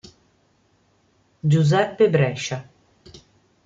Giuseppe Brescia